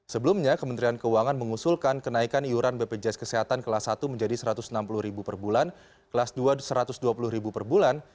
sebelumnya kementerian keuangan mengusulkan kenaikan iuran bpjs kesehatan kelas satu menjadi rp satu ratus enam puluh per bulan kelas dua rp satu ratus dua puluh per bulan